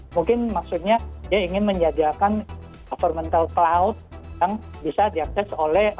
mungkin maksudnya dia ingin menjajalkan governmental cloud yang bisa diakses oleh